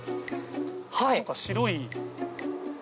何か白い。